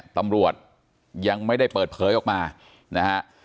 ตำรวจยังไม่ได้เปิดเผยออกมานะฮะ